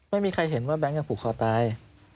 ไม่มีใครเห็นว่าแก๊งยังผูกคอตาย